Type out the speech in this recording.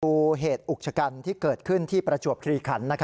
ดูเหตุอุกชะกันที่เกิดขึ้นที่ประจวบคลีขัน